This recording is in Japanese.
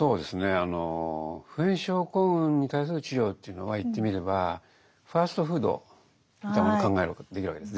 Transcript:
あの普遍症候群に対する治療というのは言ってみればファストフードみたいなものを考えることができるわけです。